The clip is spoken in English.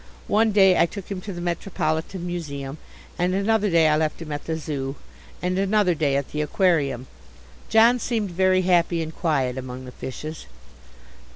One day I took him to the Metropolitan Museum, and another day I left him at the Zoo, and another day at the aquarium. John seemed very happy and quiet among the fishes.